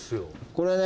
これね。